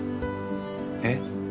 えっ？